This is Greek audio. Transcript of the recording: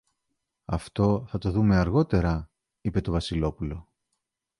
Αυτό θα το δούμε αργότερα, είπε το Βασιλόπουλο.